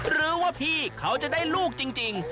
หรือว่าพี่เขาจะได้ลูกจริง